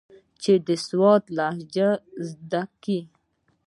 چې سواتي لهجه زده کي.